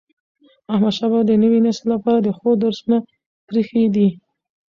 احمدشاه بابا د نوي نسل لپاره د ښو درسونه پريښي دي.